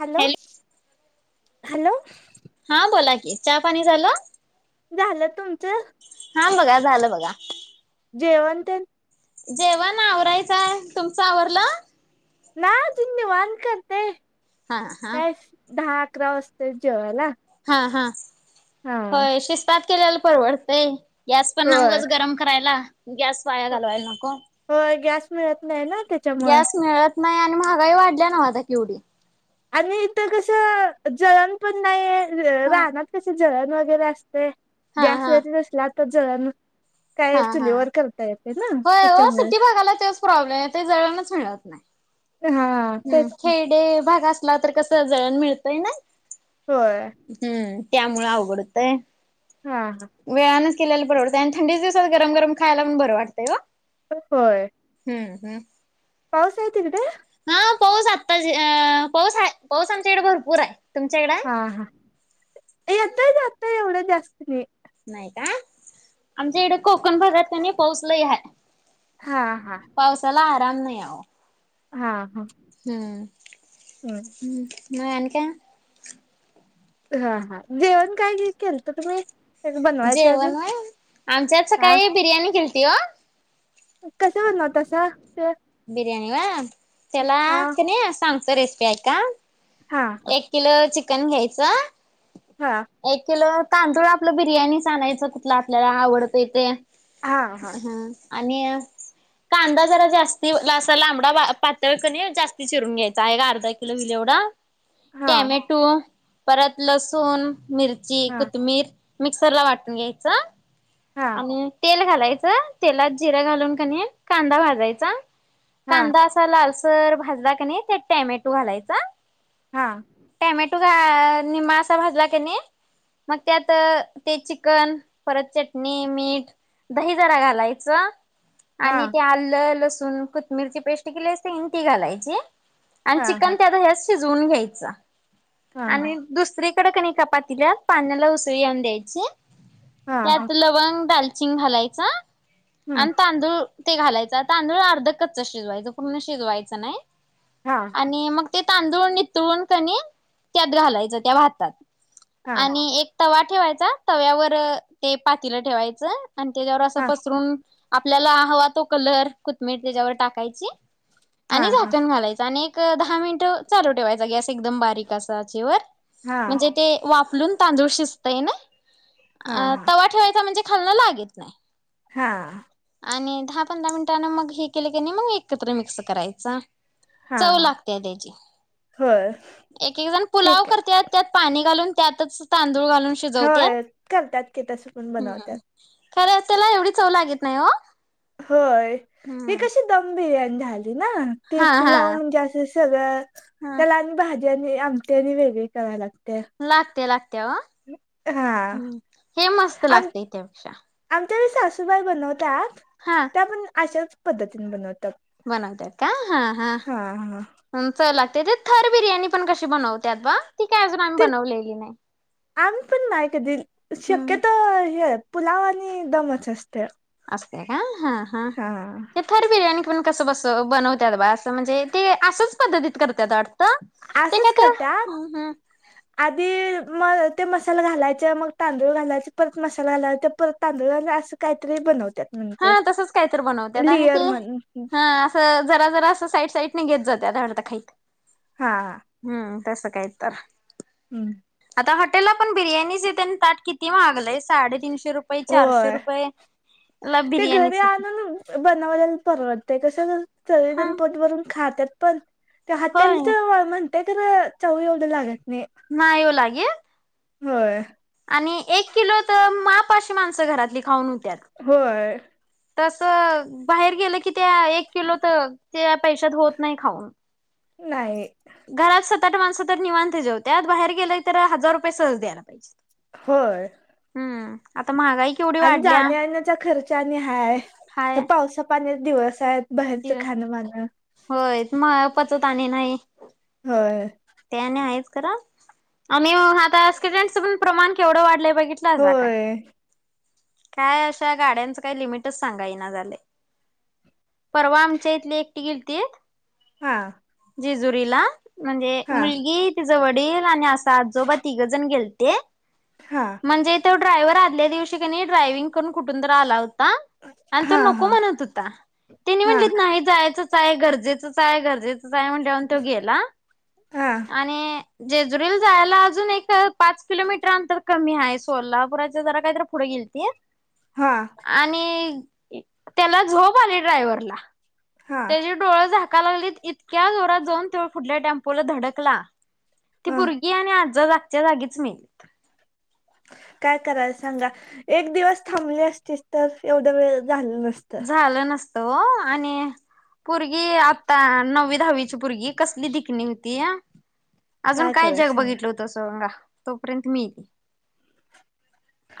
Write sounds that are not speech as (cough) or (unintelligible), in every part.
Hello. Hello. हा बोला की, चहा पाणी झालं? झालं. तुमचं? हा बघा. झालं बघा. जेवण तेन? जेवण आवरायचंय. तुमच आवरलं? हा. तुमी निवांत करते. हा हा काय दहा अकरा वाजतात जेवायला. हा हा हा होय. शिस्तात केल्याल परवडतंय. गॅस पण ना होय उगच गरम करायला. गॅस वाया घालवायला नको. होय. गॅस मिळत नाही ना तिथ. गॅस मिळत नाही आणि महागाई वाढल्या नव्ह आता केवढी. आणि इथ कस जळण पण नाहीय. हा रानात तिथ जळण वगैरे असते. हा गॅस हा जरी नसला तर जळण हा काय हा चुलीवर करता येत ना. होय हो सिटी भागाला तेच प्रॉब्लेम आहे ते हा. हम. तेच ना. खेडे भाग असला तर कस जळण मिळतय ना. होय. हम्म, त्यामुळं अवघडतंय. हा हा. वेळानंच केल्याल परवडतंय आणि थंडीच्या दिवसात गरम गरम खायलां प बरं वाटतंय ओ. होय. हम्म हम्म. पावुसाय तीकडं. हां पाऊस आत्ता ज अ पाऊस हाय पाऊस आमच्या इक्डं भरपूर हाय तुमच्याकडं हा हा येतंय जातय एवढं जास्त नई. नाई का. आमच्या इडं कोकण भागात कानी पाऊस लयी हाय. हा हा. पावसाला आराम नाई आओ. हा हा. हम्म. हम्म. हम्म म आन काय? हा हा. जेवण काय ग केल्तं तुम्ही? बनवायचं अजून जेवण होय, आमच्यात हा सकाळी बिर्याणी केल्ती हो. कसा बणावतसा ते? बिर्याणी वा त्याला हा क नी सांगत रेसिपी ऐका हा हा एक किलो चिकन घ्यायचं, हा एक किलो तांदूळ आपलं बिर्याणीचं आणायचं कुठलं आपल्याला आवडतंय ते हा हा ह. आणि कांदा जरा जास्ती ला असा लांबडा बा पातळ कणी जास्त चिरून घ्यायचा का अर्धा किलो विल एवडा हा टॅमॅटो परत लसूण, मिरची, हा कोथमीर मिक्सर ला वाटून घ्यायचं हा आणि तेल घालायचं तेलात जिरा घालून कनी कांदा भाजायचा हा कांदा असा लालसर भाजला क नी त्यात टॅमॅटो घालायचा. हा. टॅमॅटो घा निमा अस भाजला क नी म त्यात ते चिकन परत चेक् मी मीठ, दही जरा घालायचं हा आणि ते आलं लसूण कुथ् मिरची पेस्ट केली असते ईनी ती घालायची आणि हा चिकन त्या आ ह्या शिजवून घ्यायचं. हा आणि दुसरीकडं क नी कपातीला पाण्याला उसळी येऊन द्यायची हा हा. त्यात लवंग दालचिंग घालायचा हम्म आण् तांदूळ ते घालायचा तांदुळ अर्ध कच्च शिजवायचं पूर्ण शिजवायचं नाई. हा. आणि मग ते तांदूळ नितळून कनी त्यात घालायचं त्या भातात हा आणि एक तवा ठेवायचा तव्यावर ते पातीलं ठेवायचं अन त्याच्यावर असं हा पसरून आपल्याला हवा तो कलर कुथमिर त्याच्याव टाकायची हा आणि हा झाकण घालायच् अन एक दहा मीनटं चालू ठेवायचा गॅस एकदम बारीक असं आचेवर हा म्हणजे ते वाफ् फुलून तांदूळ शिजतय ना हा तवा ठेवायचा म्हणजे खालणं लागीत नाई. हा. आणि दहा पंधरा मीनटांनं मग हे केले की नी मग एकत्र मिक्स करायचा. हा चव लागते त्याची होय एक एक जण पुलाव ठीक करत्यात. त्यात पाणी घालून त्यातच तांदूळ घालून हो शिजवत्यात. करतात की तसं पण. बनवतात हम्म खरं त्याला एवढी चव लागेत नाही हो. होय ही कशी दम बिर्याणी झाली ना. ते हा पुलाव हा. म्हणजे असं सगळं हा त्याला आणि भाज्या आणि आमट्या आणि वेगळे करा लागत्या. लागत्या लागत्या व हा हे मस्त आम लागते त्यापेक्षा. आमच्या सासूबाई बनवतात. हा त्या पण अशाच पद्धतीन बनवतात. बनवत का हा हा च लागते ते थर बिर्याणी पण कशी बनवतात बा ती काय अजून आम्ही ते बनवलेली नाही. आम्ही पण नाही कधी, हम्म. शक्यतो पुलावा आणि दमच असत्या. असत्या का हां हां ते खर बिर्याणी पण कस बस बनवतात बा असं म्हणजे ते असंच पद्धतीत करत्यात वाटतं. ते काय असंच तर करत्यात. हम्म आधी मग ते मसाला घालायचे मग तांदूळ घालायचे परत मसाला घालायला परत तांदूळ घाल असं काहीतरी बनवत्यात. हा तसंच काहीत बनवतात आणि ते म्हणून हा जरा जरा असं साईड साईडने घेत जात वाटतं खाईत हा ह हम्म त्यास कायतार हम्म आता हॉटेलला पण बिर्याणीचेतनी ताट किती महागलंय साडेतीनशे रुपये चारशे होय रुपये, लग ते घरी आणून बनवालेल परवडते कसं सगळी हा जन पोट भरून खात्यात पण, ते होय. हॉटेलचं म्हणते खरं चव एवढी लागत नाही. नाही ओ लागीत. होय. आणि एक किलो तर मापा अशी माणसं घरातली खाऊन होत्यात. होय. तसं बाहेर गेलं की त्या एक किलो तर त्या पैशत होत नाही खाऊन. नाही. घरात सात आठ माणसं तर निवांत जेव त्यात, बाहेर गेले तर हजार रुपये सहज द्यायला पाहिजे‌. होय हम्म आता महागाई कीती. आणि जाण्या येण्याचा खर्च आणि हाय तर पावसा पाण्याच दिवस आहेत. बाहेरचं दिवस, खाणं माणं होय मग पचत आणि नाही. होय ते आणि आहेच खरं आम्ही आता एक्सीडेंट च पण प्रमाण केवढं वाढलंय बघितला. होय काय अशा गाड्यांच काही लिमिटच सांगा ईना झाले. परवा आमच्या इथली एकटी गिलती. हा जेजुरीला म्हणजे हा मुलगी तिज वडील आणि असा आजोबा तिघं जण गेलते. हा म्हणजे तो ड्रायव्हर आदल्या दिवशी क नई ड्रायविंग करून कुठूनं तर आला होता आणि तो हा नको हा म्हणतं होता, त्यानी म्हणली हा नाही जायचंच आहे, गरजेचंच आहे गरज ते जाय म्हटल्यानंतर तो गेला हा आणि जेजुरीला जायला आजुन एक अं पाच किलोमीटर अंतर कमी आहे, सोलापुराच्या जरा काहीतरी पुढ गेलते हा, आणि त्याला झोप आली ड्रायव्हरला. त्याची डोळा झाका लागलीत, इतक्या जोरात जाऊन त्यो पुढल्या टेम्पोला धडकला. ती हा पुरंगी ये ना जागच्या- जागीचं मेलीत. काय करायला सांगा एक दिवस थांबले असतीच तर एवढ्या वेळ झालं नसत. झालं नसतं व्हय आणि पुरर्गी आत्ता नववी, दहावीची पुरंर्गी कसली दिखंणी होत्या. अजून काय करायच जग सांगा बघितलं होत, अस मं आ तो पर्यंत मेली.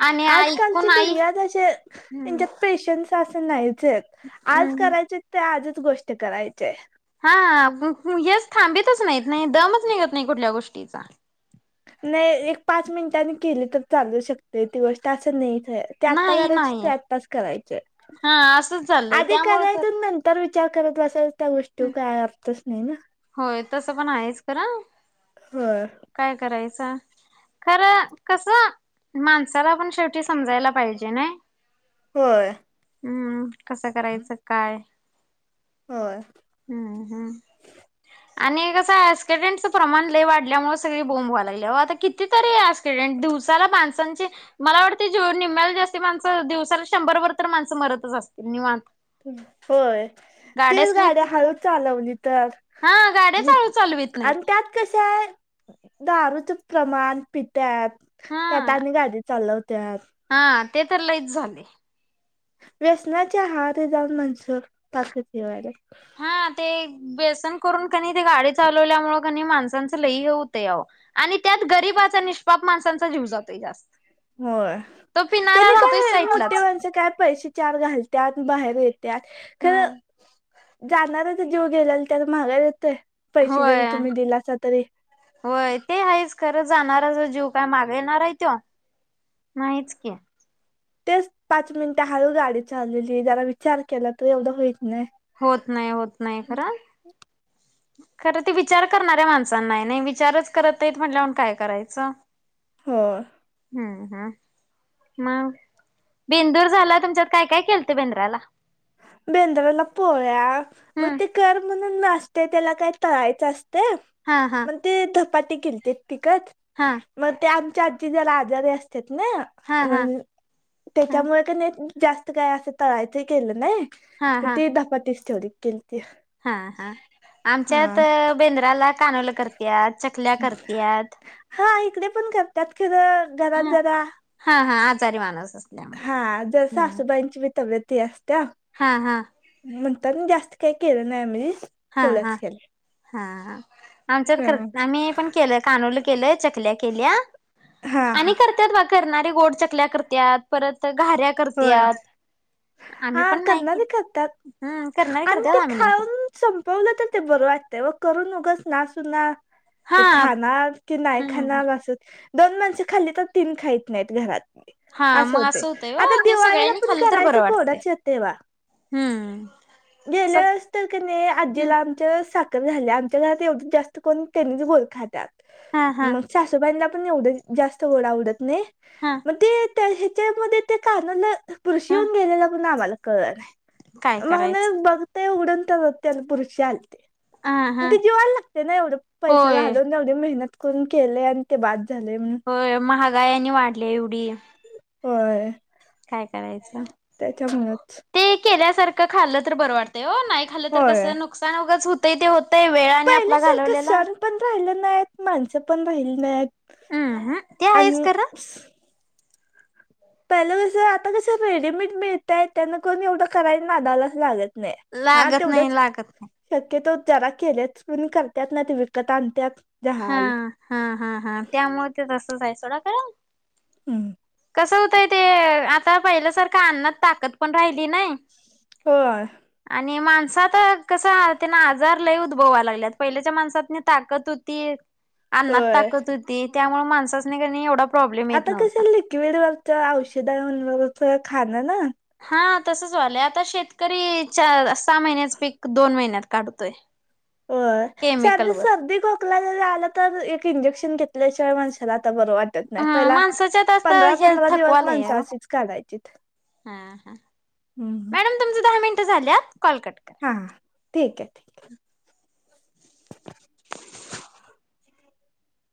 आणि आजकालची ऐकून आई दुनिया तशीये हम्म येच्या पेशन्स असे नाहीचे त आज हम्म करायचे ते, आजच गोष्ट करायचे. हा कुणी थांबतच नाहीत, नाही दमंच निघंत नाही, कुठल्या गोष्टीचा. नाही एक पाच मिनटांनी केली तर चालू शकते, ती गोष्ट असं नाही च ये. ते आत्ता नाही करायचे ते नाही आत्ताच करायचे, हा असंच चाललंय आधी त्यामुळे तर करायचः नंतर तर विचार करत बसायचं त्या गोष्टीचा काय अर्थच नाही ना. ते तसं पण आहेच खरं होय, काय करायचा? खरं कसं माणसाला पण शेवटी समजायला पाहिजे ना. होय, हम्म, कसं करायचं काय होय हम्म, हम्म. आणि कसं असते ऍक्सिडेंटचं प्रमाण लैय वाढल्यामुळं स सगळी बोंब व्हायला लागल्या, आओ आता किती तरी ऍस्कीडेन्ट दिवसाला माणसांचे मला वाटतंय जो निम्म्याला जास्ती माणस दिवसाला शंभर भर तर माणसं मरतच असतील निवांत. होय, तेच स्लीप गाड्या हाळू होत्यात चालवली तर हा गाड्या जस् चालू चालवीत आन् नाहीत त्यात कसं ये दारूचं प्रमाण पित्यातं हा त्यात आणि गाडी चालवत त्यात हा ते तर लईच झालंय. व्यसनाच्या आहारी जाऊन माणसं पारच हे व्हायल्यात हा ते व्यसन करून कनी ते गाडी चालवल्यामुळ कनी माणसांचं लई हे होतयं आ ओ आणि त्यात गरीबाचा निष्पाप माणसांचा जीव जातोय जास्त. होय, तो पिणारा त्यांनी राहतोय काय मोेठी साईटलाच माणसं काय पैसे चार घालत्यात बाहेर येत्यात. खरं, हम्म जाणाऱ्याचा जीव गेलेला त्याला माघारी येतोय, पैसे जरी तुम्ही दिला आसला तरी? व्हंय ते आहेच खरं जाणाऱ्याचा जीव काय मागे येणार आहे त्यो. नाहीच की. तेच पाच मिनिटं हाळू गाडी चालीवली, जरा विचार केला तर एवढं होईत नाही. होत नाही, होत नाही खरं. खरं ते विचार करणाऱ्या माणसांना आहे, नाही विचारच करत नाहीत म्हणल्यावर काय करायच. हो. हम्म हू. मग, बेंदूर झाला, तुमच्यात काय काय केलतं बेंद्राला? बेंद्राला पोळ्या, मग हम्म ते -कर म्हणून असतंय, त्याला काय तळायचं असतय, हा हा म ते धपाटे केलते तिखट हा. मग त्या आमच्या आजी, जरा आजारी असत्यात ना, हा हा म्हणू ह त्याच्यामुळे कं नई, जास्त काय असं तळायचं केलं नई. हा म हा ते धपाटेच तेवढे केलते. हा हा, आमच्यात बेंद्राला कानोलं करत्यात, चकल्या करत्यात हा इकडं पण करत्यात खरं घरात जरा, हा हा आजारी माणूस असल्यामुळे हा जर सासूबाईंची बी तब्येत हे अस त्या? हा हा. म्हणता ना, जास्त काई केलं नाई आम्ही. हा हा, तेवढंच केलं हा हा. आमच्यात करत नाई, आम्ही आम्ही पण केलं. कानवलं केलंय, चकल्या केल्या हा हा हा आणि करत्यात बा करणारे गोड चकल्या करत्यात, परत घाऱ्या होय करत्यात आम्ही हा पण नाही करणारे केली करत्यात, हम्म करणारी आणि करत्यात ते आम्ही नाही खाऊन केली संपवलं तर ते बरं वाटतंय ओ, करून उगच नास हुनार ते हा खाणार की नाई हम्म खाणार असं दोन माणसे खाल्ली तर तीन खाईत नाहीत घरात हा, मग असं होतंय ओ आता ते दिवाळीला सगळ्यांनी पण खाल्लं तर करायचं बरं वाटतंय कोडंच येतंय बा हम्म गेल्या सग वेळेस तर क नई हम्म आजीला आम तर साखर झाल्या. आमच्या घरात एवढं जास्त कोण, त्यांनीच गोड खात्यात, हा हा मग सासूबाईनां पण एवडं जास्त गोड आवडत नई हा मग ते त्या ह्याच्यामध्ये ते कानवला बुरशी हा येऊन गेलेलं पण आम्हाला कळलं काय नाय, करायचं म्हणून मग ते उघडून तं बघत्या तर बुरशी आली. हा हा ते जीवाला लागतं ना, एवढं पैसा होय घालून मेहनत करून केलंय आणि ते बाद झालंय म्हणून (unintelligible) महागाई आणि वाढल्या एवढी होय. काय करायचं? त्याच्यामुळच ते केल्यासारखं खाल्लं तर बरं वाटतंय ओ, नाई खाल्लं तर होय कसं नुकसान उगाच हो होतय ते होतंय वेळानं आपला पहिल्यासारखं घालवलेला सण पण राहिलं नाय, माणसं पण राहिली नाहीत हम्म ते आहेच आणि खरं पहिलं कसं, आता कसं रेडीमेड मिळतंय, त्यांना कोण एवढं करायला नादायलाच लागत ना नाय हा लागत नाही तेवढंच लागत नाही. शक्यतो जरा केलेत म्हणून करत्यात नायतर विकत आणत्यात. हा हा, हा हा हा. त्यामुळे ते तसंच ए, सोडा खरं. हं. कसं होतंय ते, आता पहिल्यासारखं अन्नात ताकद पण राहिली नाई होय. आणि माणसात त्यांना आजार लय लागल्यात पहिल्याच्या माणसात ताकद त अन्नात होय ताकत होती त्यामुळे माणसाच नाही एवढा प्रॉब्लेम येत आता नव्हता. कसे लिक्विड वरच्या औषधांवरच खाणं ना हा तसच व्हालंय आता शेतकरी च सहा महिन्याच पीक दोन महिन्यात काढतोय. हो केमिकल सर्दी वर सर्दी खोकला ज रआला तर एक इंजेक्शन घेत त्याशिवाय माणसाला आता बरं वाटत नाही हा पहिला माणसाच्यात आता पंधरा हे पंधरा दिवस थकवालय माणस ओ अशीच काढायचीत हा हा. हम् ह. मॅडम तुमच दहा मिनटं झाल्यात कट करा. हां ठीक आहे (inaudible)